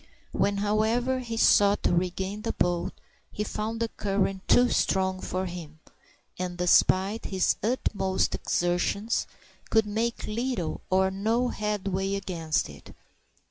When, however, he sought to regain the boat, he found the current too strong for him, and despite his utmost exertions, could make little or no headway against it.